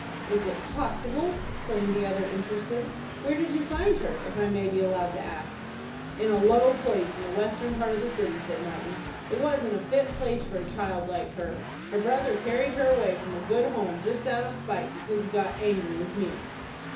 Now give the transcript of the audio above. "Is it possible?" exclaimed the other, interested. "Where did you find her, if I may be allowed to ask?" "In a low place, in the western part of the city," said Mr. Martin. "It wasn't a fit place for a child like her. Her brother carried her away from a good home, just out of spite, because he got angry with me."